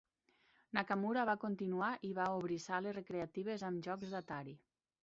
Nakamura va continuar i va obrir sales recreatives amb jocs d'Atari.